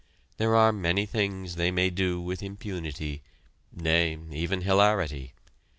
There are many things they may do with impunity, nay, even hilarity.